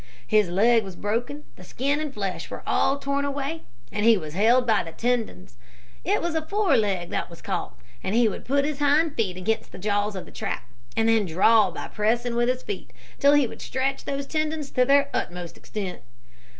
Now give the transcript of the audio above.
His leg was broken, the skin and flesh were all torn away, and he was held by the tendons. It was a foreleg that was caught, and he would put his hind feet against the jaws of the trap, and then draw by pressing with his feet, till he would stretch those tendons to their utmost extent.